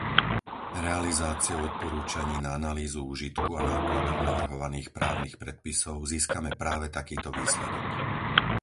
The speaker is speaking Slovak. Realizáciou odporúčaní na analýzu úžitku a nákladov navrhovaných právnych predpisov získame práve takýto výsledok.